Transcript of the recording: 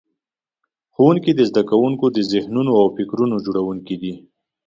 ښوونکي د زده کوونکو د ذهنونو او فکرونو جوړونکي دي.